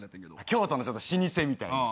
京都の老舗みたいな？